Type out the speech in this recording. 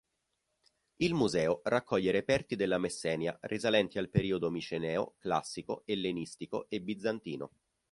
Il museo raccoglie reperti della Messenia risalenti al periodo miceneo, classico, ellenistico e bizantino.